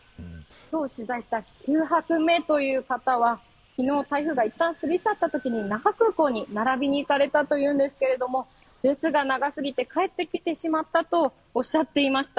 今日取材した方は、昨日、台風がいったん過ぎ去ったときに那覇空港に並びに行かれたというんですけれども列が長すぎて帰ってきてしまったとおっしゃっていました。